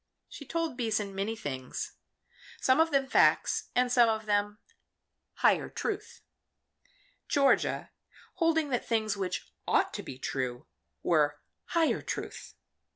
She told Beason many things some of them facts and some of them "higher truth," Georgia holding that things which ought to be true were higher truth.